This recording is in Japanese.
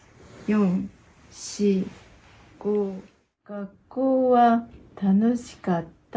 学校は楽しかった？